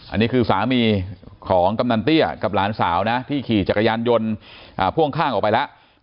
อันนี้คือสามีของกำนันเตี้ยกับหลานสาวนะที่ขี่จักรยานยนต์พ่วงข้างออกไปแล้ว